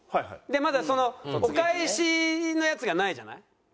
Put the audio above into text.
でまだそのお返しのやつがないじゃない。